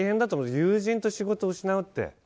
友人や仕事も失うって。